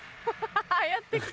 やって来た。